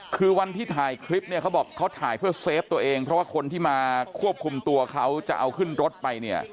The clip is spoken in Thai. คือวันที่ถ่ายคลิปเนี่ยเขาบอกเขาถ่ายเพื่อเซฟตัวเองเพราะว่าคนที่มาควบคุมตัวเขาจะเอาขึ้นรถไปเนี่ย